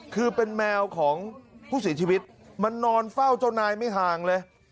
คือเป็นแมวของผู้เสียชีวิตมันนอนเฝ้าเจ้านายไม่ห่างเลย